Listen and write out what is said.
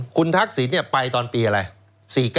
คุณทักษิณไปตอนปีอะไร